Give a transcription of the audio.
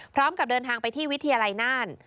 พร้อมกับเดินทางไปที่วิทยาลัยน่าน